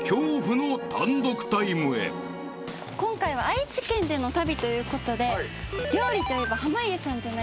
今回は愛知県での旅ということで料理といえば濱家さんじゃないですか。